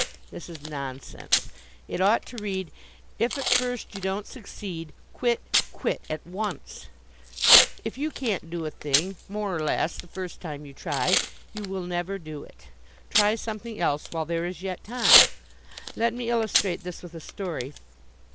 This is nonsense. It ought to read, "If at first you don't succeed, quit, quit, at once." If you can't do a thing, more or less, the first time you try, you will never do it. Try something else while there is yet time. Let me illustrate this with a story.